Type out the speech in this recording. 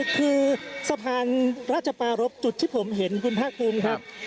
คือสะพานราชปารพจุดที่ผมเห็นคุณภาคภูมิครับ